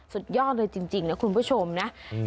สุดยอดเลยจริงนะคุณผู้ชมนะ